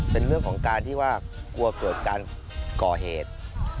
เป็นเรื่องของการที่ว่ากลัวเกิดการก่อเหตุ